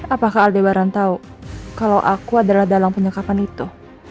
apakah aldabaran tahu kalau aku adalah dalam penyekapan itu